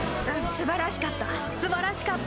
すばらしかった。